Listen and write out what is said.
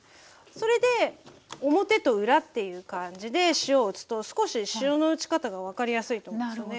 それで表と裏っていう感じで塩を打つと少し塩の打ち方が分かりやすいと思うんですよね。